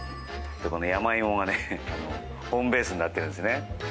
山芋がホームベースになっているんですね。